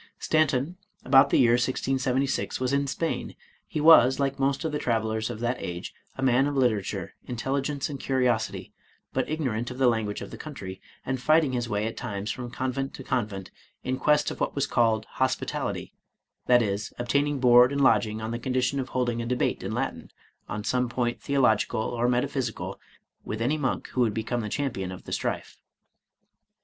Stanton, about the year 1676, was in Spain ; he was, like most of the travelers of that age, a man of literature, in telligence, and curiosity, but ignorant of the language of the country, and fighting his way at times from convent to convent, in quest of what was called " Hospitality," that is, obtaining board and lodging on the condition of holding a debate in Latin, on some point theological or metaphysi cal, with any monk who would become the champion of the strife.